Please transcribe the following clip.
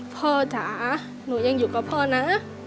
จ๋าหนูยังอยู่กับพ่อนะ